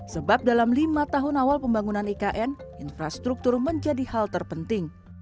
sebab dalam lima tahun awal pembangunan ikn infrastruktur menjadi hal terpenting